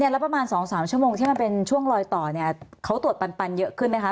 แล้วประมาณ๒๓ชั่วโมงที่มันเป็นช่วงลอยต่อเขาตรวจปันเยอะขึ้นไหมคะ